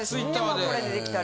これでできたり。